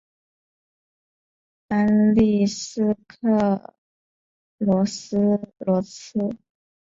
丹利斯克罗斯罗兹是一个位于美国阿拉巴马州科菲县的非建制地区。